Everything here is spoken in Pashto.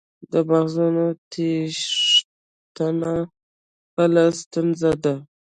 د مغزونو تیښته بله ستونزه ده.